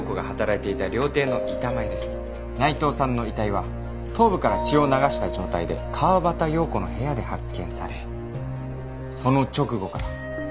内藤さんの遺体は頭部から血を流した状態で川端葉子の部屋で発見されその直後から川端葉子は姿を消しています。